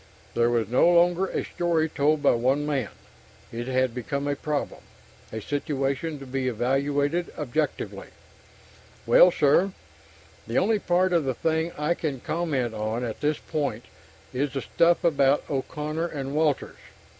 This was no longer a story told by one man; it had become a problem, a situation to be evaluated objectively. "Well, sir ... the only part of the thing I can comment on at this point is the stuff about O'Connor and Walters.